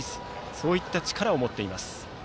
そういった力を持っています。